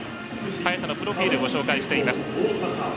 早田のプロフィールご紹介しています。